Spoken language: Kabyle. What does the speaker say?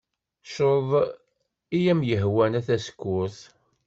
Creḍ i am-yehwan a tasekkurt.